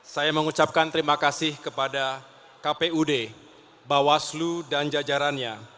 saya mengucapkan terima kasih kepada kpud bawaslu dan jajarannya